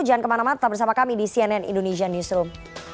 jangan kemana mana tetap bersama kami di cnn indonesia newsroom